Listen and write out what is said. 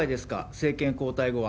政権交代後は。